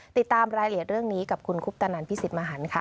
ติดตามรายละเอียดเรื่องนี้กับคุณคุปตนันพิสิทธิ์มหันค่ะ